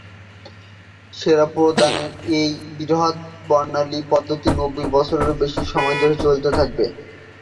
সেবা প্রদানের এই 'বৃহৎ বর্ণালী' পদ্ধতি নব্বই বছরেরও বেশি সময় ধরে চলতে থাকবে।